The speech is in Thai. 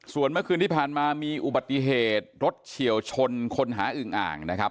ส่วนเมื่อคืนที่ผ่านมามีอุบัติเหตุรถเฉียวชนคนหาอึงอ่างนะครับ